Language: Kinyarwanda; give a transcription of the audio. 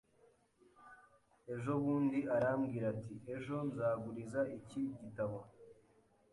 Ejo bundi arambwira ati: "Ejo nzaguriza iki gitabo."